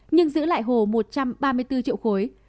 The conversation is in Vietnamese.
nhưng giữ lại hồ một trăm ba mươi bốn triệu m ba